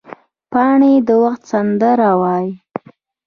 پاڼې د وخت سندره وایي